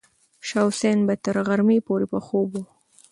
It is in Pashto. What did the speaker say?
شاه حسین به تر غرمې پورې په خوب و.